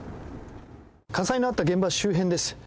火災のあった現場周辺です。